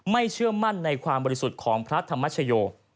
เชื่อมั่นในความบริสุทธิ์ของพระธรรมชโย